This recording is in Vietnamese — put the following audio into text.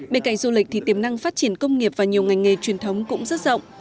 bên cạnh du lịch thì tiềm năng phát triển công nghiệp và nhiều ngành nghề truyền thống cũng rất rộng